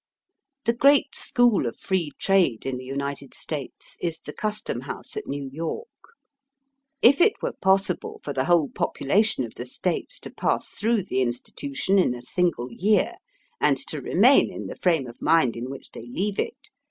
The great school of Free Trade in the United States is the Custom House at New York. If it were possible for the whole popu lation of the States to pass through the insti tution in a single year, and to remain in the frame of mind in which they leave it.